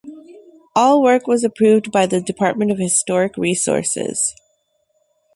All work was approved by the Department of Historic Resources.